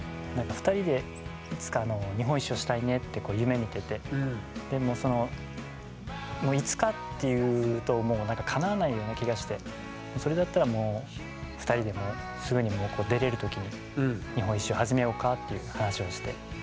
２人でいつか日本一周をしたいねって夢みててでもそのいつかって言うともうなんかかなわないような気がしてそれだったらもう２人ですぐに出れる時に日本一周始めようかっていう話をして。